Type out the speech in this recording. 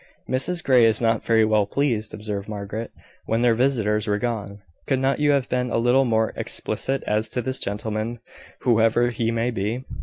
"Mrs Grey is not very well pleased," observed Margaret, when their visitors were gone. "Could not you have been a little more explicit as to this gentleman, whoever he may be?"